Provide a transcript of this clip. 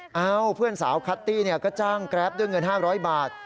เอ้าเพื่อนสาวคัตตี้ก็จ้างแกรปด้วยเงิน๕๐๐บาท